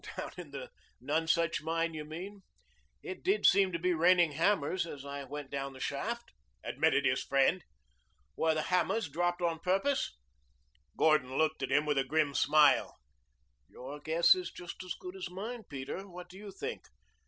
"Down in the None Such Mine, you mean? It did seem to be raining hammers as I went down the shaft," admitted his friend. "Were the hammers dropped on purpose?" Gordon looked at him with a grim smile. "Your guess is just as good as mine, Peter. What do you think?"